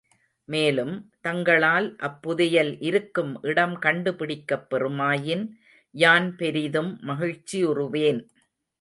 மேலும், தங்களால் அப் புதையல் இருக்கும் இடம் கண்டு பிடிக்கப் பெறுமாயின் யான் பெரிதும் மகிழ்ச்சியுறுவேன்.